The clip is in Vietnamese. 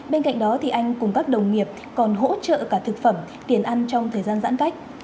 bên cạnh đó anh cùng các đồng nghiệp còn hỗ trợ cả thực phẩm tiền ăn trong thời gian giãn cách